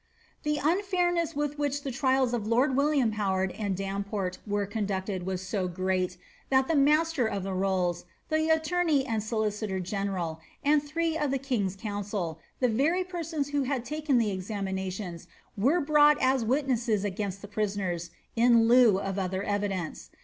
The unfairness witli wiiich the trials of lord William Howard aad Damport were conducted was so great, that the master of the roUt, the attorney and solicitor general, and three of the king's council, the very persons who had taken the examinations, were brought aa wilmtsei against the prisoners, in lieu of other evidence.'